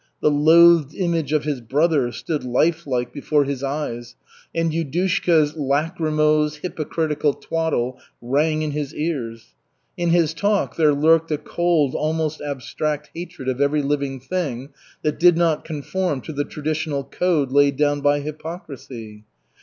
The loathed image of his brother stood lifelike before his eyes, and Yudushka's lachrymose, hypocritical twaddle rang in his ears. In his talk there lurked a cold, almost abstract hatred of every living thing that did not conform to the traditional code laid down by hypocrisy.